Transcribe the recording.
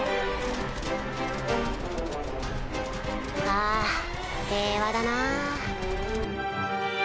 あぁ平和だな。